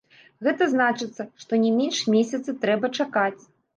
Гэта значыцца, што не менш месяца трэба чакаць.